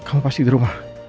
kamu pasti di rumah